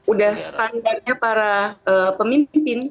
udah standarnya para pemimpin